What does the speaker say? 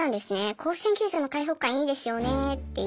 甲子園球場の開放感良いですよね！」っていう。